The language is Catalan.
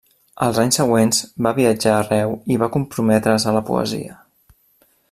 Els anys següents va viatjar arreu i va comprometre's a la poesia.